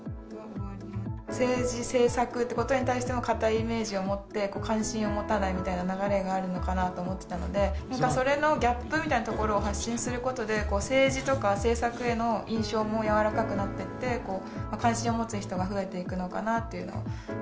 政治政策ということに対しての堅いイメージを持って関心を持たないみたいな流れがあるのかなと思ってたので、それのギャップみたいなところを発信することで、政治とか政策への印象も柔らかくなってって、関心を持つ人が増えていくのかなというのを。